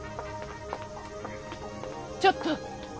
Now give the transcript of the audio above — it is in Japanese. ちょっと！